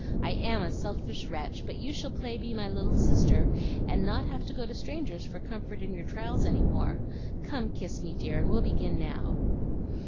I AM a selfish wretch, but you shall play be my little sister, and not have to go to strangers for comfort in your trials any more. Come, kiss me, dear, and we'll begin now."